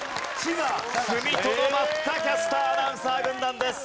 踏みとどまったキャスター・アナウンサー軍団です。